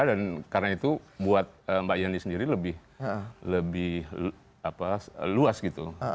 dan karena itu buat mbak yeni sendiri lebih luas gitu